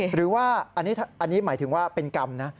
หรือว่าอันนี้หมายถึงว่าเป็นกรรมนะ